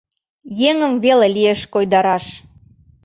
Еҥым веле лиеш койдараш.